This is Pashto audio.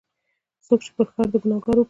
څوک چې پر ښار د ګناهکارو ګرځي.